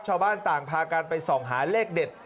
ชาวบ้านต่างพากันไปส่องหาเลขเด็ด